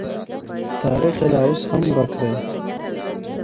تاریخ یې لا اوس هم ورک دی.